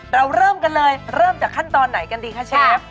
เราเริ่มกันเลยเริ่มจากขั้นตอนไหนกันดีคะเชฟ